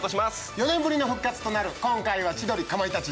４年ぶりの復活となる今回は千鳥かまいたちダイアンがＭＣ。